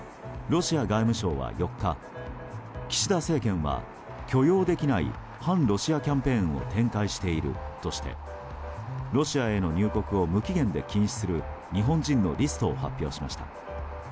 ロシア外務省は４日岸田政権は許容できない反ロシアキャンペーンを展開しているとしてロシアへの入国を無期限で禁止する日本人のリストを発表しました。